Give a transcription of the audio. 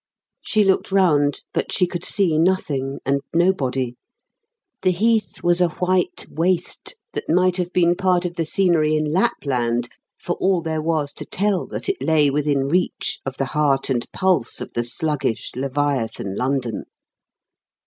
She looked round, but she could see nothing and nobody. The Heath was a white waste that might have been part of the scenery in Lapland for all there was to tell that it lay within reach of the heart and pulse of the sluggish leviathan London.